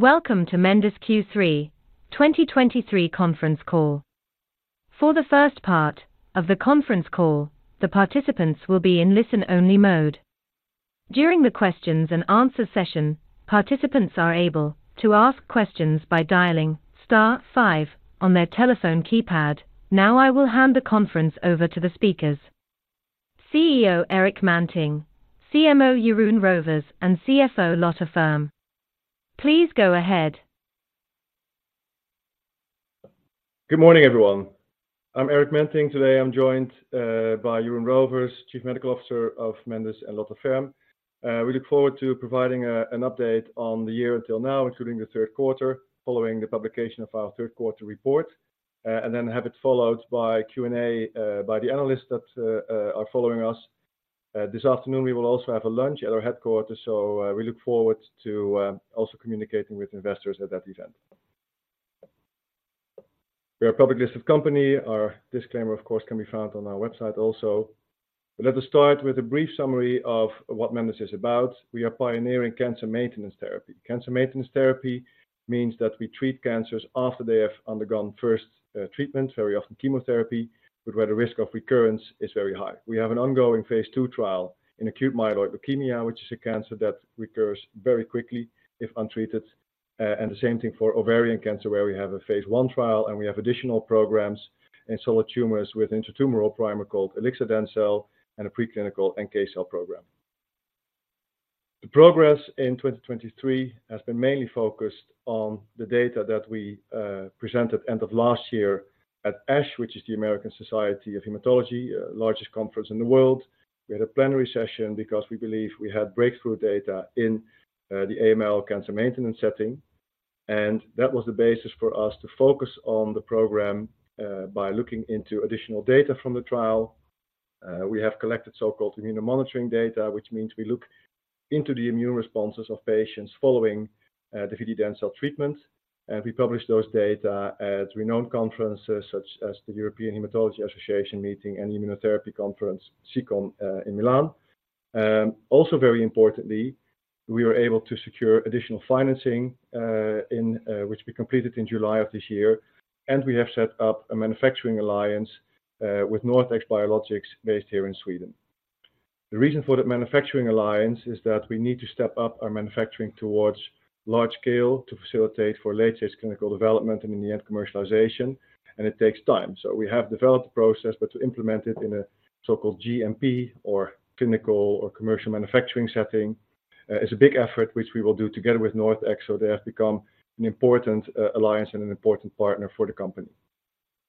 Welcome to Mendus Q3 2023 Conference Call. For the first part of the conference call, the participants will be in listen-only mode. During the questions and answer session, participants are able to ask questions by dialing star five on their telephone keypad. Now, I will hand the conference over to the speakers. CEO, Erik Manting; CMO, Jeroen Rovers; and CFO, Lotta Ferm. Please go ahead. Good morning, everyone. I'm Erik Manting. Today, I'm joined by Jeroen Rovers, Chief Medical Officer of Mendus, and Lotta Ferm. We look forward to providing an update on the year until now, including the third quarter, following the publication of our third-quarter report, and then have it followed by Q&A by the analysts that are following us. This afternoon, we will also have a lunch at our headquarters, so we look forward to also communicating with investors at that event. We're a public listed company. Our disclaimer, of course, can be found on our website also. Let us start with a brief summary of what Mendus is about. We are pioneering cancer maintenance therapy. Cancer maintenance therapy means that we treat cancers after they have undergone first treatment, very often chemotherapy, but where the risk of recurrence is very high. We have an ongoing phase II trial in acute myeloid leukemia, which is a cancer that recurs very quickly if untreated. And the same thing for ovarian cancer, where we have a phase I trial, and we have additional programs in solid tumors with intratumoral primer called ilixadencel, and a preclinical NK cell program. The progress in 2023 has been mainly focused on the data that we presented end of last year at ASH, which is the American Society of Hematology, largest conference in the world. We had a plenary session because we believe we had breakthrough data in the AML cancer maintenance setting, and that was the basis for us to focus on the program by looking into additional data from the trial. We have collected so-called immunomonitoring data, which means we look into the immune responses of patients following the vididencel treatment. And we published those data at renowned conferences such as the European Hematology Association Meeting and Immunotherapy Conference, CICON, in Milan. Also, very importantly, we were able to secure additional financing which we completed in July of this year, and we have set up a manufacturing alliance with NorthX Biologics, based here in Sweden. The reason for the manufacturing alliance is that we need to step up our manufacturing towards large scale to facilitate for latest clinical development and, in the end, commercialization, and it takes time. So we have developed the process, but to implement it in a so-called GMP or clinical or commercial manufacturing setting is a big effort, which we will do together with NorthX, so they have become an important alliance and an important partner for the company.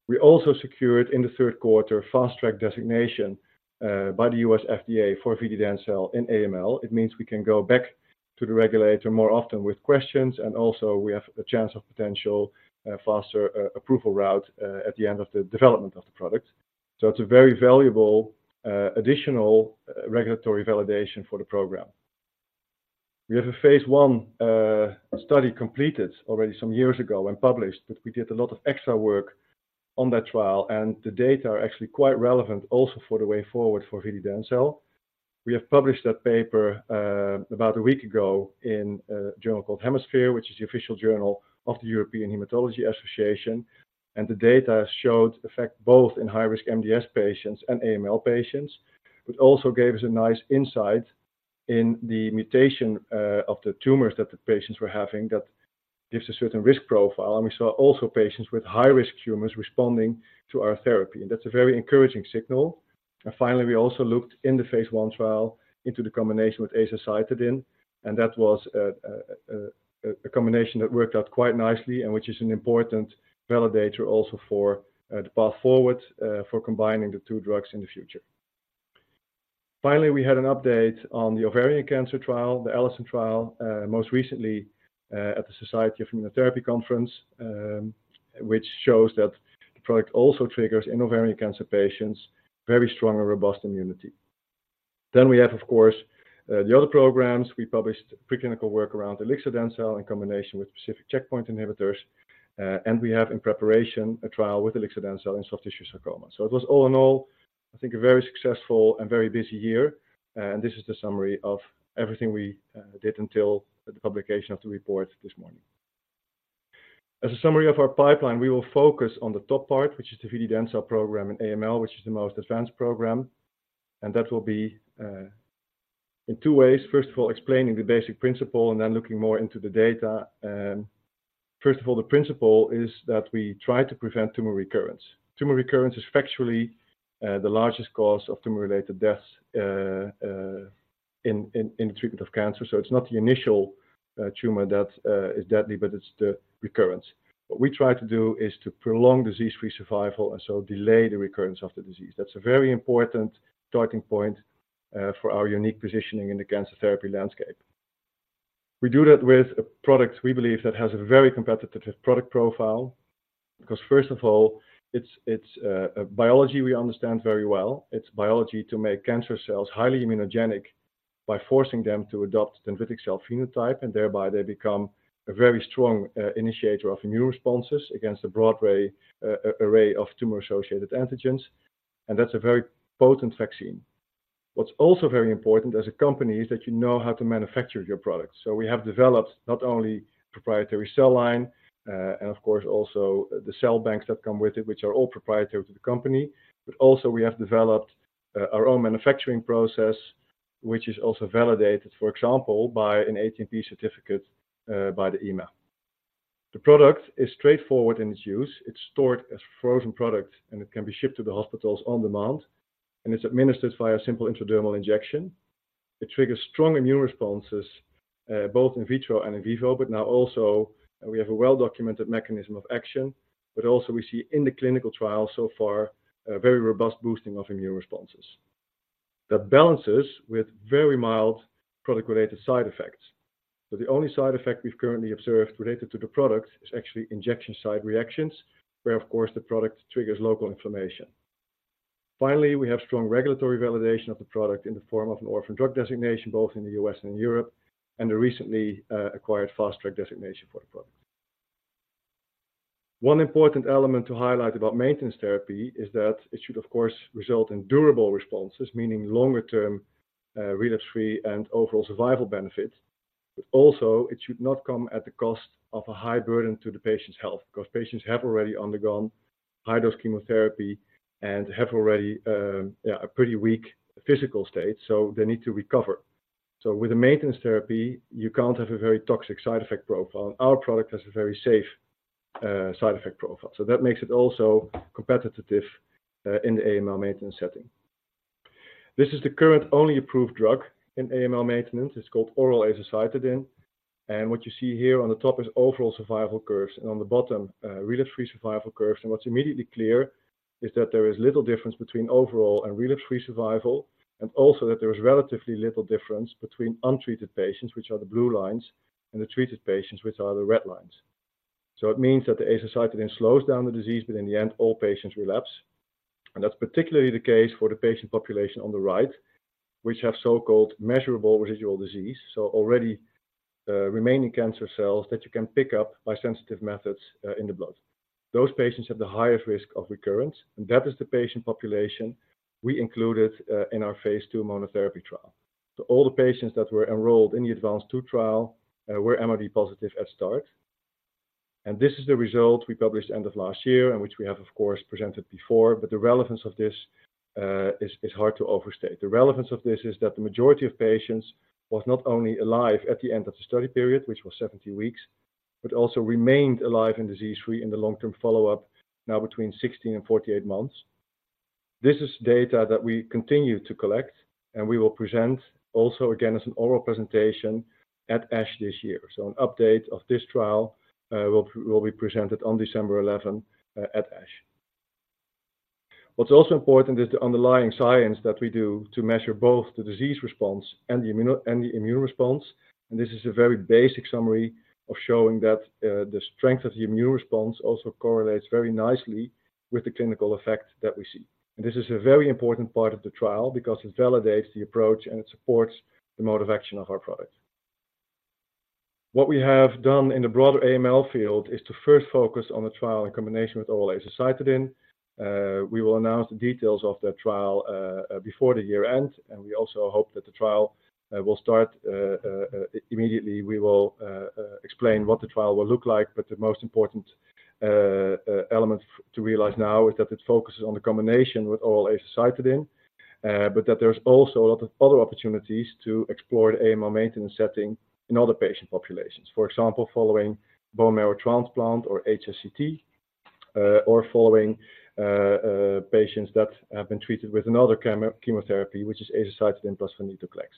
We also secured, in the third quarter, Fast Track Designation by the U.S. FDA for vididencel in AML. It means we can go back to the regulator more often with questions, and also we have a chance of potential faster approval route at the end of the development of the product. So it's a very valuable additional regulatory validation for the program. We have a phase I study completed already some years ago and published, but we did a lot of extra work on that trial, and the data are actually quite relevant also for the way forward for vididencel. We have published that paper about a week ago in a journal called HemaSphere, which is the official journal of the European Hematology Association, and the data showed effect both in high-risk MDS patients and AML patients, but also gave us a nice insight in the mutation of the tumors that the patients were having. That gives a certain risk profile, and we saw also patients with high-risk tumors responding to our therapy, and that's a very encouraging signal. Finally, we also looked in the phase I trial into the combination with azacitidine, and that was a combination that worked out quite nicely and which is an important validator also for the path forward for combining the two drugs in the future. Finally, we had an update on the ovarian cancer trial, the ALISON trial, most recently at the Society for Immunotherapy of Cancer conference, which shows that the product also triggers in ovarian cancer patients very strong and robust immunity. We have, of course, the other programs. We published preclinical work around ilixadencel in combination with specific checkpoint inhibitors, and we have in preparation a trial with ilixadencel in soft tissue sarcoma. So it was, all in all, I think, a very successful and very busy year, and this is the summary of everything we did until the publication of the report this morning. As a summary of our pipeline, we will focus on the top part, which is the vididencel program in AML, which is the most advanced program, and that will be in two ways. First of all, explaining the basic principle and then looking more into the data. First of all, the principle is that we try to prevent tumor recurrence. Tumor recurrence is factually the largest cause of tumor-related deaths in the treatment of cancer. So it's not the initial tumor that is deadly, but it's the recurrence. What we try to do is to prolong disease-free survival and so delay the recurrence of the disease. That's a very important starting point for our unique positioning in the cancer therapy landscape. We do that with a product we believe that has a very competitive product profile, because, first of all, it's a biology we understand very well. It's biology to make cancer cells highly immunogenic by forcing them to adopt dendritic cell phenotype, and thereby they become a very strong initiator of immune responses against a broad array of tumor-associated antigens, and that's a very potent vaccine. What's also very important as a company is that you know how to manufacture your products. So we have developed not only proprietary cell line, and of course also the cell banks that come with it, which are all proprietary to the company, but also we have developed, our own manufacturing process, which is also validated, for example, by an ATMP certificate, by the EMA. The product is straightforward in its use. It's stored as frozen product, and it can be shipped to the hospitals on demand, and it's administered via a simple intradermal injection. It triggers strong immune responses, both in vitro and in vivo, but now also, we have a well-documented mechanism of action, but also we see in the clinical trial so far, a very robust boosting of immune responses. That balances with very mild product-related side effects. But the only side effect we've currently observed related to the product is actually injection site reactions, where, of course, the product triggers local inflammation. Finally, we have strong regulatory validation of the product in the form of an Orphan Drug Designation, both in the U.S. and in Europe, and a recently acquired Fast Track designation for the product. One important element to highlight about maintenance therapy is that it should, of course, result in durable responses, meaning longer-term relapse-free and overall survival benefits. But also it should not come at the cost of a high burden to the patient's health, because patients have already undergone high-dose chemotherapy and have already a pretty weak physical state, so they need to recover. So with a maintenance therapy, you can't have a very toxic side effect profile. Our product has a very safe, side effect profile, so that makes it also competitive, in the AML maintenance setting. This is the current only approved drug in AML maintenance. It's called oral azacitidine, and what you see here on the top is overall survival curves, and on the bottom, relapse-free survival curves. What's immediately clear is that there is little difference between overall and relapse-free survival, and also that there is relatively little difference between untreated patients, which are the blue lines, and the treated patients, which are the red lines. It means that the azacitidine slows down the disease, but in the end, all patients relapse. That's particularly the case for the patient population on the right, which have so-called measurable residual disease, so already, remaining cancer cells that you can pick up by sensitive methods, in the blood. Those patients have the highest risk of recurrence, and that is the patient population we included in our phase II monotherapy trial. All the patients that were enrolled in the ADVANCE II trial were MRD positive at start. This is the result we published end of last year and which we have, of course, presented before, but the relevance of this is hard to overstate. The relevance of this is that the majority of patients was not only alive at the end of the study period, which was 70 weeks, but also remained alive and disease-free in the long-term follow-up, now between 16 and 48 months. This is data that we continue to collect, and we will present also again as an oral presentation at ASH this year. An update of this trial will be presented on December 11th at ASH. What's also important is the underlying science that we do to measure both the disease response and the immune response. This is a very basic summary of showing that the strength of the immune response also correlates very nicely with the clinical effect that we see. This is a very important part of the trial because it validates the approach and it supports the mode of action of our product. What we have done in the broader AML field is to first focus on the trial in combination with oral azacitidine. We will announce the details of that trial before the year end, and we also hope that the trial will start immediately. We will explain what the trial will look like, but the most important element to realize now is that it focuses on the combination with oral azacitidine, but that there's also a lot of other opportunities to explore the AML maintenance setting in other patient populations. For example, following bone marrow transplant or HSCT, or following patients that have been treated with another chemotherapy, which is azacitidine plus venetoclax.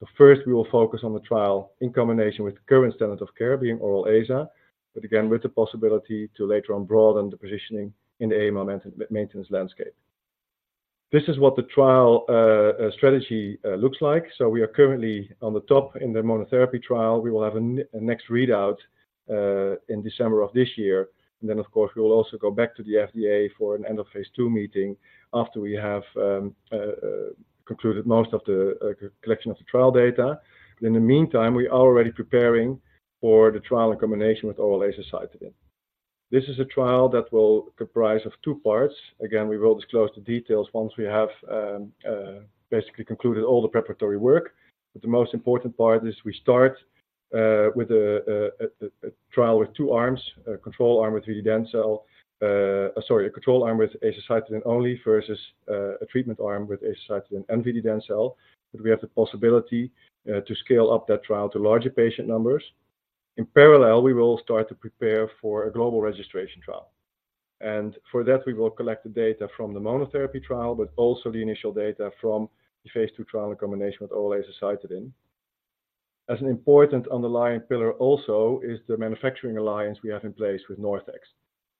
But first, we will focus on the trial in combination with the current standard of care being oral azacitidine, but again, with the possibility to later on broaden the positioning in the AML maintenance landscape. This is what the trial strategy looks like. So we are currently on the top in the monotherapy trial. We will have a next readout in December of this year. And then, of course, we will also go back to the FDA for an end of phase II meeting after we have concluded most of the collection of the trial data. In the meantime, we are already preparing for the trial in combination with oral azacitidine. This is a trial that will comprise of two parts. Again, we will disclose the details once we have basically concluded all the preparatory work. But the most important part is we start with a trial with two arms, a control arm with vididencel. Sorry, a control arm with azacitidine only versus a treatment arm with azacitidine and vididencel, but we have the possibility to scale up that trial to larger patient numbers. In parallel, we will start to prepare for a global registration trial, and for that, we will collect the data from the monotherapy trial, but also the initial data from the phase II trial in combination with oral azacitidine. As an important underlying pillar also is the manufacturing alliance we have in place with NorthX.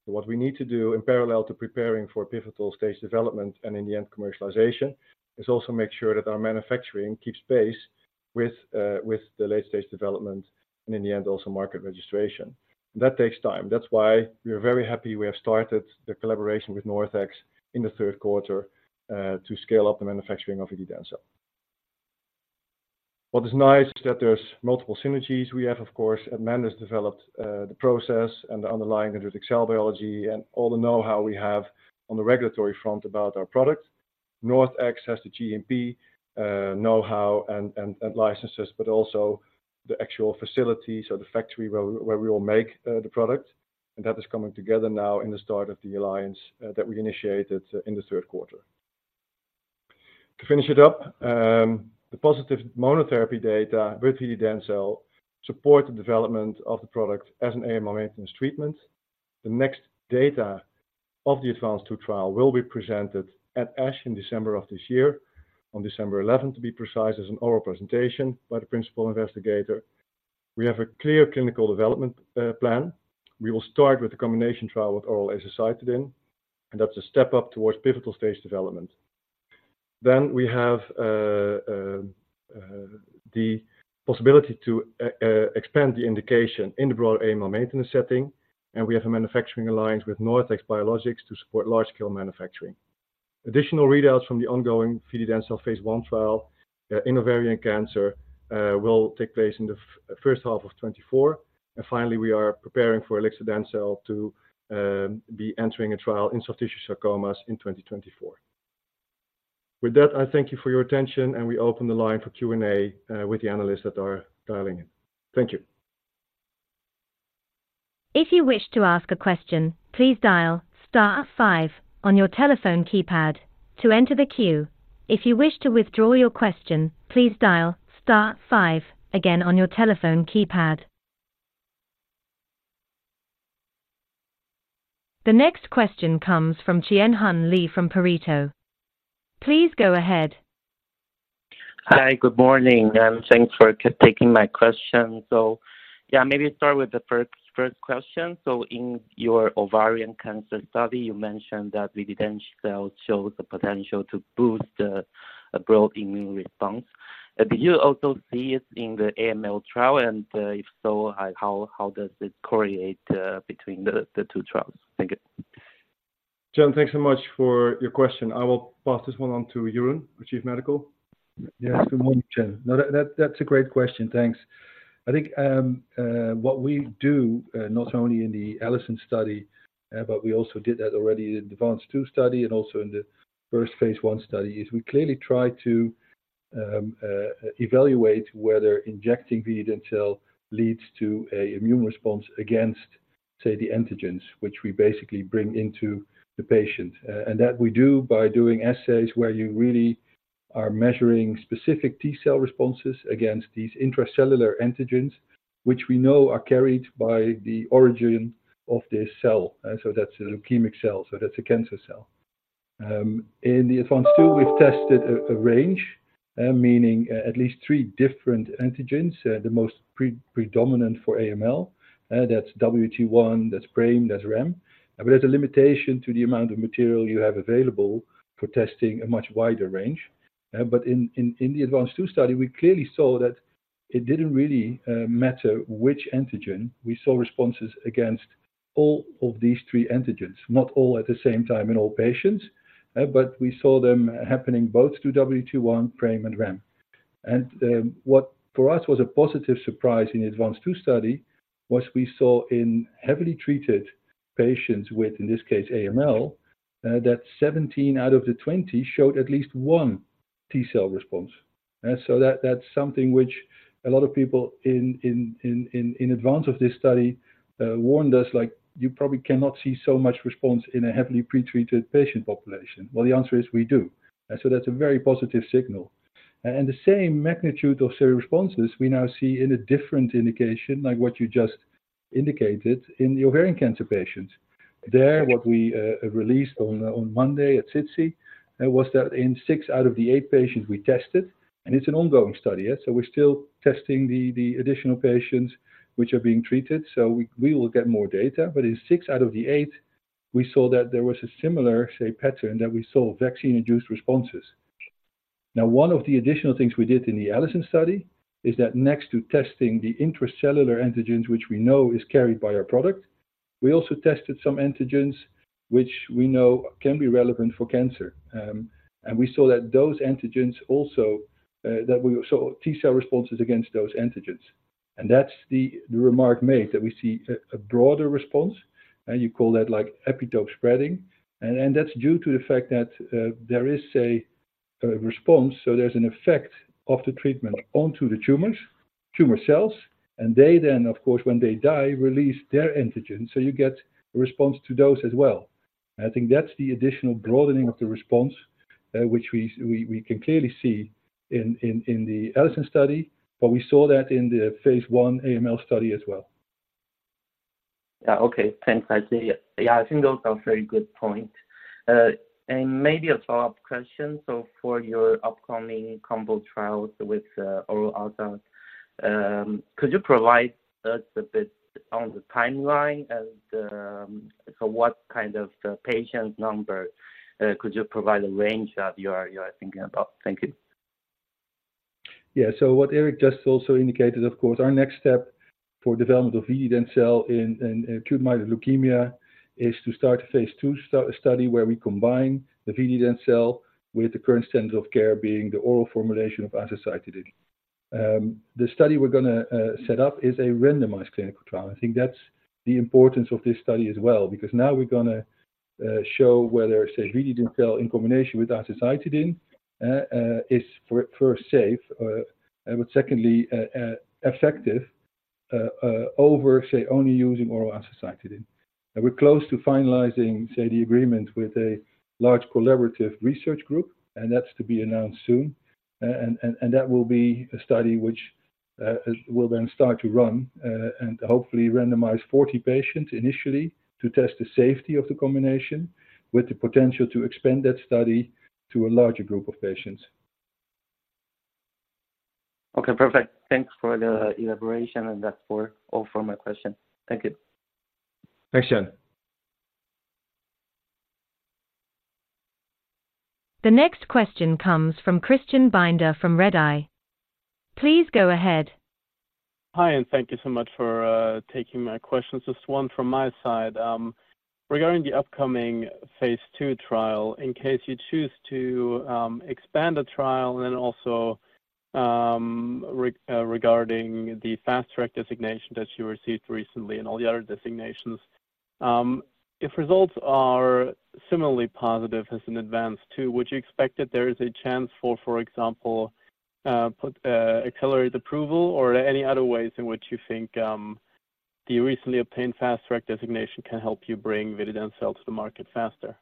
What we need to do in parallel to preparing for pivotal stage development and in the end, commercialization, is also make sure that our manufacturing keeps pace with the late-stage development and in the end, also market registration. That takes time. That's why we are very happy we have started the collaboration with NorthX in the third quarter to scale up the manufacturing of vididencel. What is nice is that there's multiple synergies we have, of course, and Mendus has developed the process and the underlying genetic cell biology and all the know-how we have on the regulatory front about our product. NorthX has the GMP know-how and licenses, but also the actual facilities or the factory where we will make the product. And that is coming together now in the start of the alliance that we initiated in the third quarter. To finish it up, the positive monotherapy data with vididencel support the development of the product as an AML maintenance treatment. The next data of the ADVANCE II trial will be presented at ASH in December of this year, on December 11th, to be precise, as an oral presentation by the principal investigator. We have a clear clinical development plan. We will start with the combination trial with oral azacitidine, and that's a step up towards pivotal stage development. Then we have the possibility to expand the indication in the broader AML maintenance setting, and we have a manufacturing alliance with NorthX Biologics to support large-scale manufacturing. Additional readouts from the ongoing vididencel phase I trial in ovarian cancer will take place in the first half of 2024. Finally, we are preparing for ilixadencel to be entering a trial in soft tissue sarcomas in 2024. With that, I thank you for your attention, and we open the line for Q&A with the analysts that are dialing in. Thank you. If you wish to ask a question, please dial star five on your telephone keypad to enter the queue. If you wish to withdraw your question, please dial star five again on your telephone keypad. The next question comes from Chien-Hsun Lee from Pareto. Please go ahead. Hi, good morning, and thanks for taking my question. So yeah, maybe start with the first question. So in your ovarian cancer study, you mentioned that vididencel shows the potential to boost a broad immune response. Do you also see it in the AML trial, and if so, how does it correlate between the two trials? Thank you. Chien, thanks so much for your question. I will pass this one on to Jeroen, our Chief Medical. Yeah, good morning, Chien. No, that's a great question. Thanks. I think what we do not only in the ALISON study, but we also did that already in the ADVANCE II study and also in the first phase I study, is we clearly try to evaluate whether injecting vididencel leads to an immune response against, say, the antigens, which we basically bring into the patient. And that we do by doing assays where you really are measuring specific T cell responses against these intracellular antigens, which we know are carried by the origin of this cell. So that's a leukemic cell, so that's a cancer cell. In the ADVANCE II, we've tested a range, meaning at least three different antigens. The most predominant for AML, that's WT1, that's PRAME, that's RHAMM. But there's a limitation to the amount of material you have available for testing a much wider range. But in the ADVANCE II study, we clearly saw that it didn't really matter which antigen. We saw responses against all of these three antigens. Not all at the same time in all patients, but we saw them happening both to WT1, PRAME, and RHAMM. And what for us was a positive surprise in the ADVANCE II study was we saw in heavily treated patients with, in this case, AML, that 17 out of the 20 showed at least one T cell response. So that's something which a lot of people in advance of this study warned us, like, "You probably cannot see so much response in a heavily pretreated patient population." Well, the answer is we do. So that's a very positive signal. The same magnitude of cell responses we now see in a different indication, like what you just indicated in the ovarian cancer patients. There, what we released on Monday at SITC was that in six out of the eight patients we tested, and it's an ongoing study, so we're still testing the additional patients which are being treated, so we will get more data. But in six out of the eight, we saw that there was a similar, say, pattern, that we saw vaccine-induced responses. Now, one of the additional things we did in the ALISON study is that next to testing the intracellular antigens, which we know is carried by our product, we also tested some antigens which we know can be relevant for cancer. And we saw that those antigens also, that we saw T cell responses against those antigens. And that's the remark made, that we see a broader response, and you call that like epitope spreading. And that's due to the fact that there is a response, so there's an effect of the treatment onto the tumors, tumor cells, and they then, of course, when they die, release their antigens, so you get a response to those as well. I think that's the additional broadening of the response, which we can clearly see in the ALISON study, but we saw that in the phase I AML study as well. Yeah. Okay, thanks. I see. Yeah, I think those are very good point. And maybe a follow-up question. So for your upcoming combo trials with oral azacitidine, could you provide us a bit on the timeline and so what kind of patient number could you provide a range that you are, you are thinking about? Thank you. Yeah. So what Erik just also indicated, of course, our next step for development of vididencel in acute myeloid leukemia is to start a phase II study, where we combine the vididencel with the current standard of care, being the oral formulation of azacitidine. The study we're gonna set up is a randomized clinical trial. I think that's the importance of this study as well, because now we're gonna show whether, say, vididencel in combination with azacitidine is, first, safe and but secondly, effective over, say, only using oral azacitidine. And we're close to finalizing, say, the agreement with a large collaborative research group, and that's to be announced soon. And that will be a study which will then start to run and hopefully randomize 40 patients initially to test the safety of the combination, with the potential to expand that study to a larger group of patients. Okay, perfect. Thanks for the elaboration, and that's all for my question. Thank you. Thanks, John. The next question comes from Christian Binder from Redeye. Please go ahead. Hi, and thank you so much for taking my questions. Just one from my side. Regarding the upcoming phase II trial, in case you choose to expand the trial and then also regarding the Fast Track designation that you received recently and all the other designations, if results are similarly positive as in ADVANCE II, would you expect that there is a chance for, for example, put accelerated approval, or are there any other ways in which you think the recently obtained Fast Track designation can help you bring vididencel to the market faster?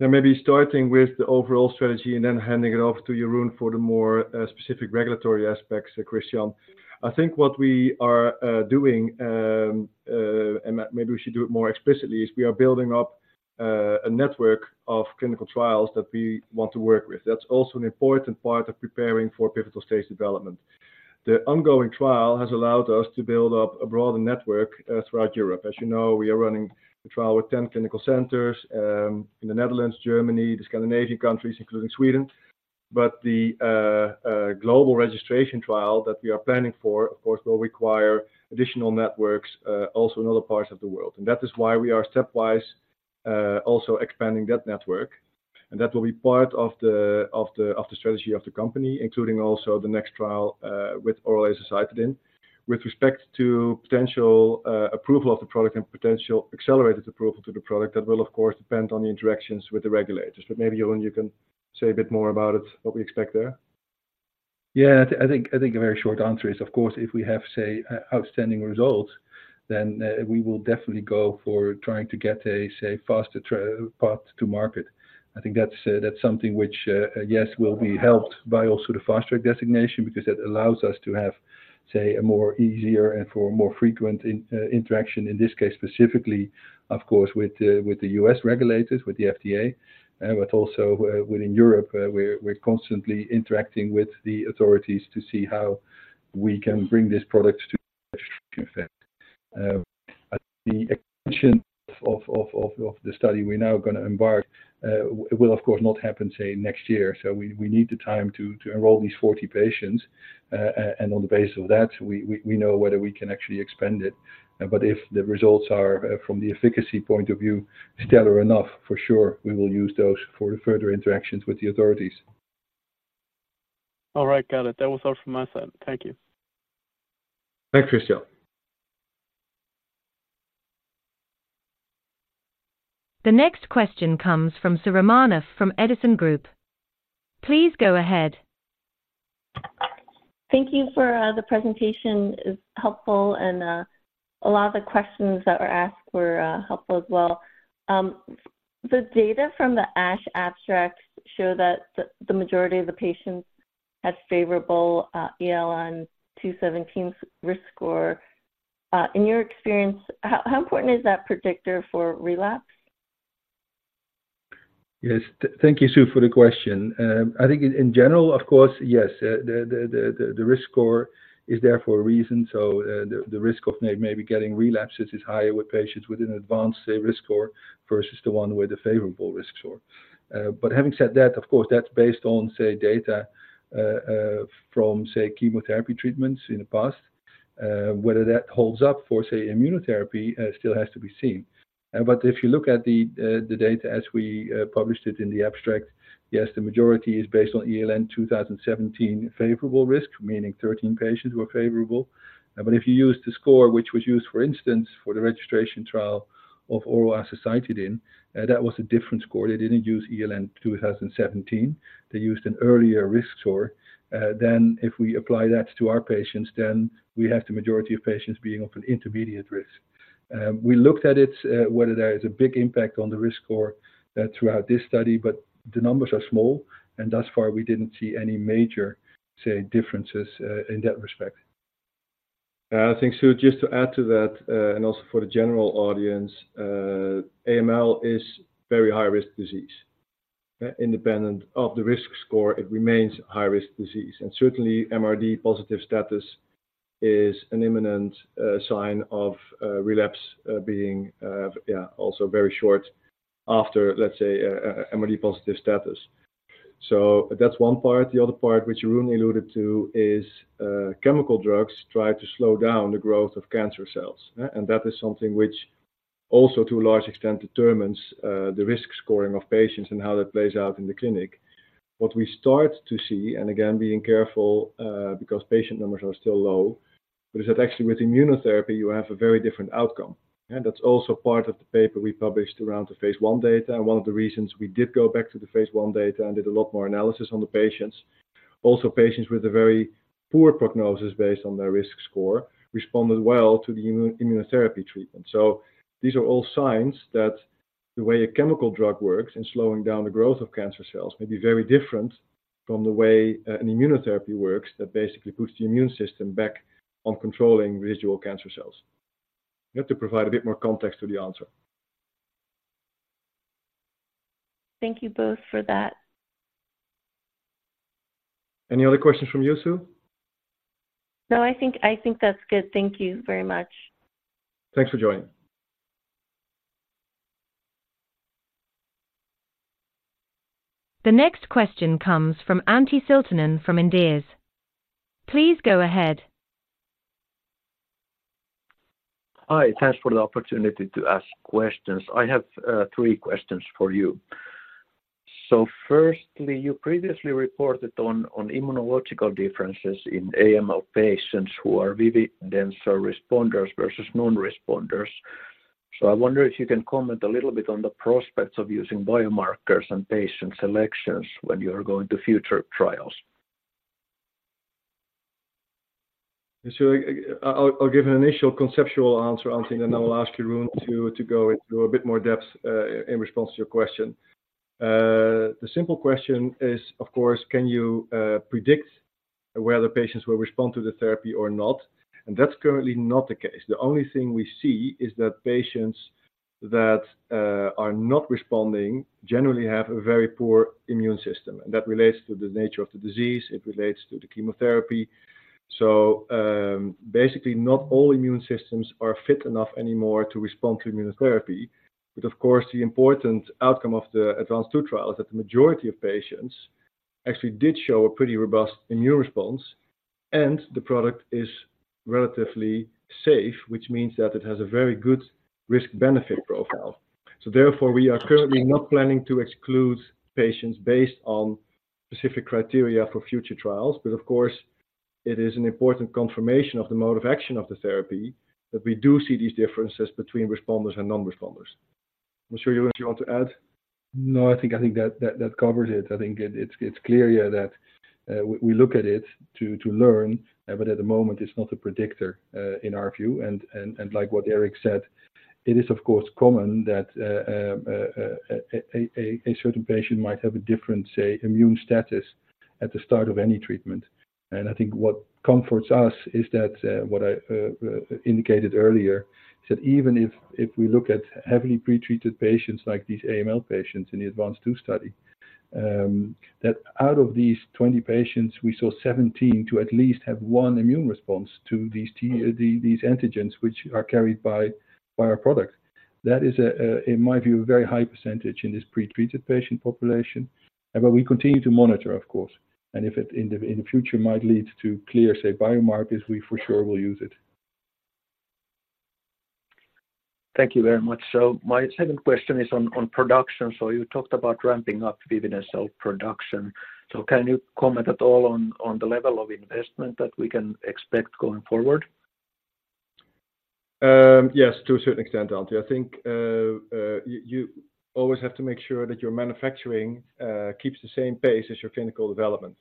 Yeah, maybe starting with the overall strategy and then handing it off to Jeroen for the more specific regulatory aspects, Christian. I think what we are doing, and maybe we should do it more explicitly, is we are building up a network of clinical trials that we want to work with. That's also an important part of preparing for pivotal stage development. The ongoing trial has allowed us to build up a broader network throughout Europe. As you know, we are running a trial with 10 clinical centers in the Netherlands, Germany, the Scandinavian countries, including Sweden. But the global registration trial that we are planning for, of course, will require additional networks also in other parts of the world. That is why we are stepwise also expanding that network, and that will be part of the strategy of the company, including also the next trial with oral azacitidine. With respect to potential approval of the product and potential accelerated approval to the product, that will, of course, depend on the interactions with the regulators. But maybe, Jeroen, you can say a bit more about it, what we expect there. Yeah, I think, I think a very short answer is, of course, if we have, say, outstanding results, then, we will definitely go for trying to get a, say, faster path to market. I think that's, that's something which, yes, will be helped by also the Fast Track Designation, because it allows us to have, say, a more easier and for a more frequent interaction in this case, specifically, of course, with the, with the U.S. regulators, with the FDA, but also, within Europe, we're constantly interacting with the authorities to see how we can bring this product to effect. But the extension of the study we're now gonna embark will, of course, not happen, say, next year. So we need the time to enroll these 40 patients, and on the basis of that, we know whether we can actually expand it. But if the results are, from the efficacy point of view, stellar enough, for sure, we will use those for the further interactions with the authorities. All right, got it. That was all from my side. Thank you. Thanks, Christian. The next question comes from Soo Romanoff from Edison Group. Please go ahead. Thank you for the presentation. It's helpful, and a lot of the questions that were asked were helpful as well. The data from the ASH abstract show that the majority of the patients had favorable ELN 2017 risk score. In your experience, how important is that predictor for relapse? Yes. Thank you, Sue, for the question. I think in general, of course, yes, the risk score is there for a reason, so the risk of maybe getting relapses is higher with patients with an advanced, say, risk score versus the one with a favorable risk score. But having said that, of course, that's based on, say, data from, say, chemotherapy treatments in the past. Whether that holds up for, say, immunotherapy still has to be seen. But if you look at the data as we published it in the abstract, yes, the majority is based on ELN 2017 favorable risk, meaning 13 patients were favorable. But if you use the score, which was used, for instance, for the registration trial of oral azacitidine, that was a different score. They didn't use ELN 2017. They used an earlier risk score. If we apply that to our patients, then we have the majority of patients being of an intermediate risk. We looked at it, whether there is a big impact on the risk score throughout this study, but the numbers are small, and thus far, we didn't see any major, say, differences in that respect. I think, Soo, just to add to that, and also for the general audience, AML is very high-risk disease. Independent of the risk score, it remains high-risk disease, and certainly, MRD positive status is an imminent sign of relapse being also very short after, let's say, MRD positive status. So that's one part. The other part, which Jeroen alluded to, is chemical drugs try to slow down the growth of cancer cells, and that is something which also, to a large extent, determines the risk scoring of patients and how that plays out in the clinic. What we start to see, and again, being careful because patient numbers are still low, but is that actually with immunotherapy, you have a very different outcome. That's also part of the paper we published around the phase 1 data, and one of the reasons we did go back to the phase I data and did a lot more analysis on the patients. Also, patients with a very poor prognosis based on their risk score responded well to the immunotherapy treatment. So these are all signs that the way a chemical drug works in slowing down the growth of cancer cells may be very different from the way an immunotherapy works that basically boosts the immune system back on controlling residual cancer cells. You have to provide a bit more context to the answer. Thank you both for that. Any other questions from you, Soo? No, I think, I think that's good. Thank you very much. Thanks for joining. The next question comes from Antti Siltanen from Inderes. Please go ahead. Hi, thanks for the opportunity to ask questions. I have three questions for you. So firstly, you previously reported on immunological differences in AML patients who are vididencel responders versus non-responders. So I wonder if you can comment a little bit on the prospects of using biomarkers and patient selections when you are going to future trials. So I'll give an initial conceptual answer, Antti, and then I'll ask Jeroen to go into a bit more depth in response to your question. The simple question is, of course, can you predict whether patients will respond to the therapy or not? And that's currently not the case. The only thing we see is that patients that are not responding generally have a very poor immune system, and that relates to the nature of the disease, it relates to the chemotherapy. So, basically, not all immune systems are fit enough anymore to respond to immunotherapy. But of course, the important outcome of the ADVANCE II trial is that the majority of patients actually did show a pretty robust immune response, and the product is relatively safe, which means that it has a very good risk-benefit profile. So therefore, we are currently not planning to exclude patients based on specific criteria for future trials, but of course, it is an important confirmation of the mode of action of the therapy that we do see these differences between responders and non-responders. I'm sure, Jeroen, you want to add? No, I think that covers it. I think it's clear here that we look at it to learn, but at the moment, it's not a predictor in our view. And like what Erik said, it is, of course, common that a certain patient might have a different, say, immune status at the start of any treatment. And I think what comforts us is that what I indicated earlier, that even if we look at heavily pretreated patients like these AML patients in the ADVANCE II study, that out of these 20 patients, we saw 17 to at least have one immune response to these antigens, which are carried by our product. That is, in my view, a very high percentage in this pretreated patient population. But we continue to monitor, of course, and if it in the future might lead to clear, say, biomarkers, we for sure will use it. Thank you very much. So my second question is on production. So you talked about ramping up vididencel production. So can you comment at all on the level of investment that we can expect going forward? Yes, to a certain extent, Antti. I think, you always have to make sure that your manufacturing keeps the same pace as your clinical development,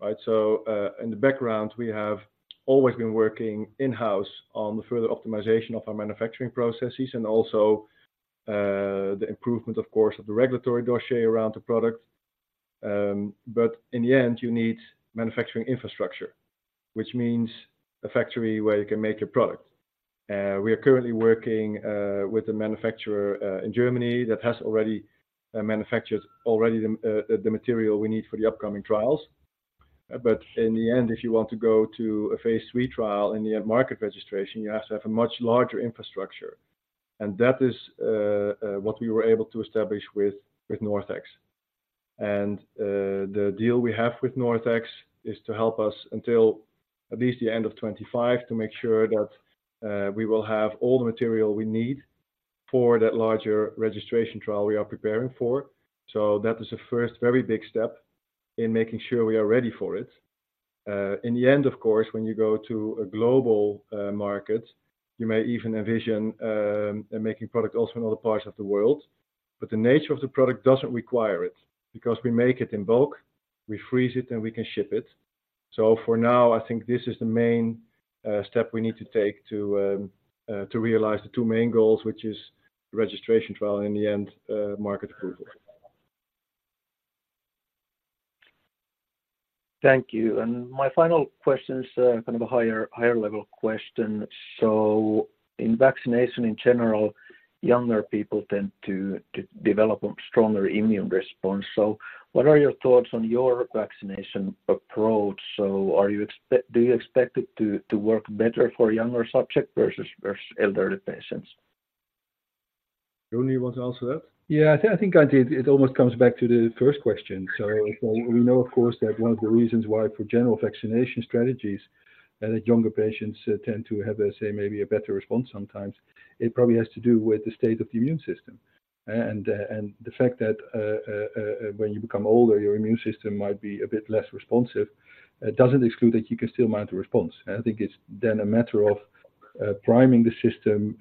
right? So, in the background, we have always been working in-house on the further optimization of our manufacturing processes and also, the improvement, of course, of the regulatory dossier around the product. But in the end, you need manufacturing infrastructure, which means a factory where you can make your product. We are currently working with a manufacturer in Germany that has already manufactured the material we need for the upcoming trials. But in the end, if you want to go to a phase three trial and you have market registration, you have to have a much larger infrastructure. That is what we were able to establish with NorthX. The deal we have with NorthX is to help us until at least the end of 2025, to make sure that we will have all the material we need for that larger registration trial we are preparing for. That is the first very big step in making sure we are ready for it. In the end, of course, when you go to a global market, you may even envision making product also in other parts of the world, but the nature of the product doesn't require it because we make it in bulk, we freeze it, and we can ship it. So for now, I think this is the main step we need to take to realize the two main goals, which is registration trial and in the end, market approval. Thank you. My final question is kind of a higher level question. So in vaccination in general, younger people tend to develop a stronger immune response. So what are your thoughts on your vaccination approach? So do you expect it to work better for younger subject versus elderly patients? Jeroen, you want to answer that? Yeah, I think, I think I did. It almost comes back to the first question. So we know, of course, that one of the reasons why for general vaccination strategies, that younger patients tend to have, let's say, maybe a better response sometimes, it probably has to do with the state of the immune system. And, and the fact that, when you become older, your immune system might be a bit less responsive, doesn't exclude that you can still mount a response. I think it's then a matter of, priming the system,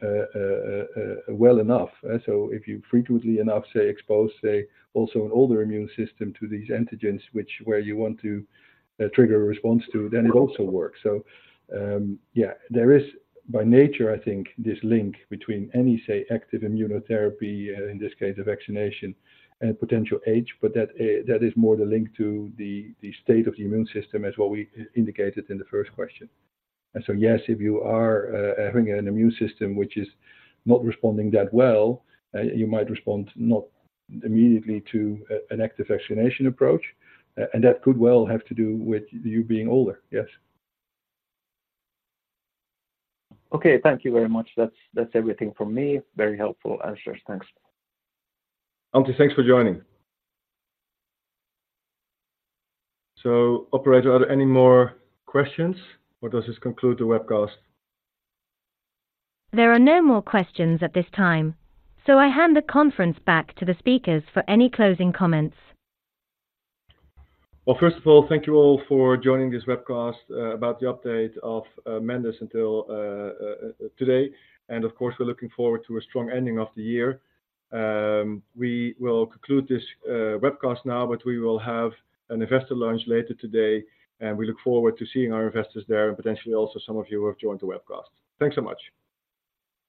well enough. So if you frequently enough, say, expose, say, also an older immune system to these antigens, which where you want to, trigger a response to, then it also works. So, yeah, there is by nature, I think, this link between any, say, active immunotherapy, in this case a vaccination, and potential age, but that is more the link to the state of the immune system as what we indicated in the first question. And so, yes, if you are having an immune system which is not responding that well, you might respond not immediately to an active vaccination approach, and that could well have to do with you being older. Yes. Okay. Thank you very much. That's, that's everything from me. Very helpful answers. Thanks. Antti, thanks for joining. So operator, are there any more questions, or does this conclude the webcast? There are no more questions at this time, so I hand the conference back to the speakers for any closing comments. Well, first of all, thank you all for joining this webcast about the update of Mendus until today. And of course, we're looking forward to a strong ending of the year. We will conclude this webcast now, but we will have an investor lunch later today, and we look forward to seeing our investors there and potentially also some of you who have joined the webcast. Thanks so much.